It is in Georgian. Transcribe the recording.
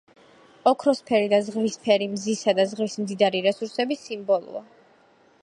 ოქროსფერი და ზღვისფერი მზისა და ზღვის მდიდარი რესურსების სიმბოლოა.